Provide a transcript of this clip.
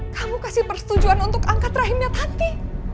kamu kasih persetujuan untuk angkat rahimnya hati